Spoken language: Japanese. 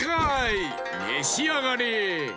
めしあがれ！